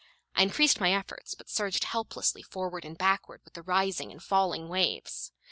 I increased my efforts, but surged helplessly forward and backward with the rising and falling waves.